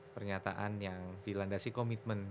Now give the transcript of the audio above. pernyataan yang dilandasi komitmen